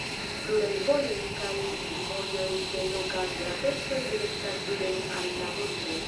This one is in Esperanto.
Pluraj vojoj kaj vojoj de loka graveco direktas suden al la montoj.